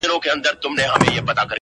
فقط علم او هنر دی چي همېش به جاویدان وي,